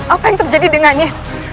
apa yang terjadi dengannya